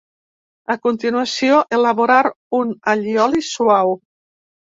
A continuació elaborar un allioli suau.